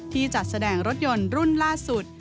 จัดแสดงรถยนต์รุ่นล่าสุด